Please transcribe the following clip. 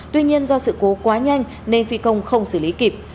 tuy nhiên do sự cố quá nhanh nên phi công không xử lý kịp